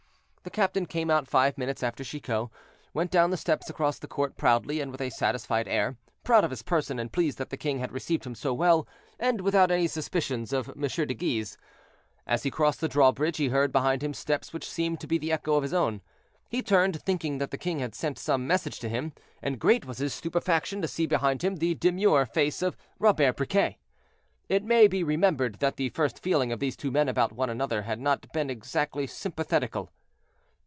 The captain came out five minutes after Chicot, went down the steps across the court proudly and with a satisfied air; proud of his person, and pleased that the king had received him so well, and without any suspicions of M. de Guise. As he crossed the drawbridge, he heard behind him steps which seemed to be the echo of his own. He turned, thinking that the king had sent some message to him, and great was his stupefaction to see behind him the demure face of Robert Briquet. It may be remembered that the first feeling of these two men about one another had not been exactly sympathetical.